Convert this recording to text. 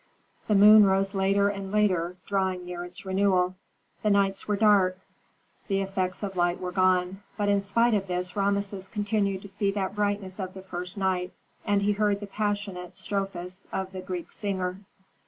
The moon rose later and later, drawing near its renewal. The nights were dark, the effects of light were gone; but in spite of this Rameses continued to see that brightness of the first night, and he heard the passionate strophes of the Greek singer.